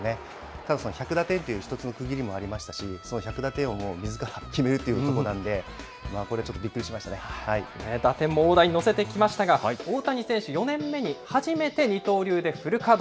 ただその１００打点という一つの区切りもありましたし、１００打点をみずから決めるってことなんで、これ、ちょっとびっくりしま打点も大台に乗せてきましたが、大谷選手、４年目に初めて二刀流でフル稼働。